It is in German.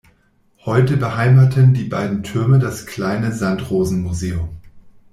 Heute beheimaten die beiden Türme das kleine Sandrosen-Museum.